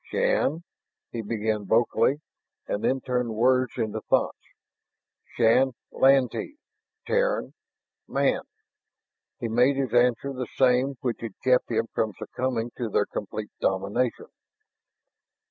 "Shann...." he began vocally, and then turned words into thoughts. "Shann Lantee, Terran, man." He made his answer the same which had kept him from succumbing to their complete domination.